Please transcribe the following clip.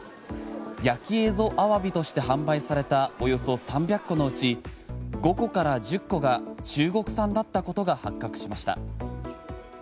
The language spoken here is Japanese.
焼き蝦夷アワビとして販売されたおよそ３００個のうち５個から１０個が中国産だったことが発覚しました。